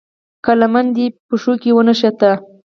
که لمنه دې پښو کې ونښته.